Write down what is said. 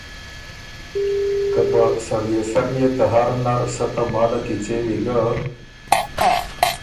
که په ”سړيې سر“ يې ته هر نر سۀ تماله کیڅېوی ګۀ